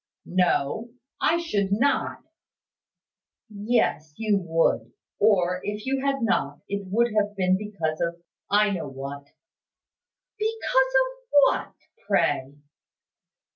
"No: I should not." "Yes, you would. Or, if you had not, it would have been because of I know what." "Because of what, pray?"